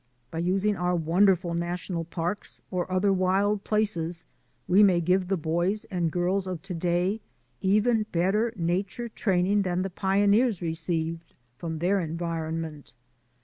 By using our wonderful national parks or other wild places we may give the boys and girls of to day even better nature training than the pioneers received from their environment.